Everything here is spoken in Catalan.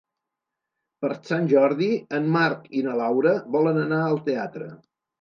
Per Sant Jordi en Marc i na Laura volen anar al teatre.